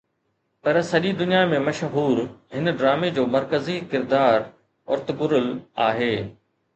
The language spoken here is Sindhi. پر سڄي دنيا ۾ مشهور هن ڊرامي جو مرڪزي ڪردار ارطغرل آهي